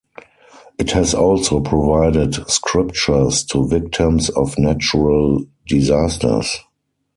It has also provided Scriptures to victims of natural disasters.